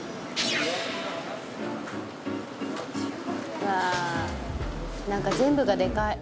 「うわーなんか全部がでかい」